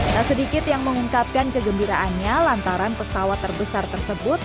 tak sedikit yang mengungkapkan kegembiraannya lantaran pesawat terbesar tersebut